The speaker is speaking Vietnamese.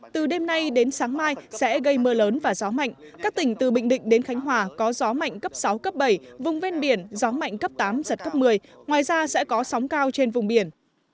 từ đêm nay đến sáng mai sẽ gây mưa lớn và gió mạnh các tỉnh từ bình định đến khánh hòa có gió mạnh cấp sáu cấp bảy vùng ven biển gió mạnh cấp tám giật cấp một mươi ngoài ra sẽ có sóng cao trên vùng biển